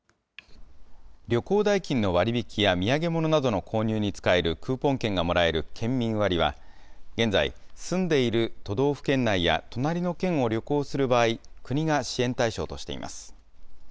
旅行代金の割引や、土産物などの購入に使えるクーポン券がもらえる県民割は、現在、住んでいる都道府県内や隣の県を旅行する場合、国が支援対象としています。